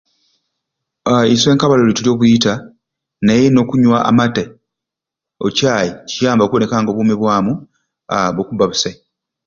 Feeding on a balanced diet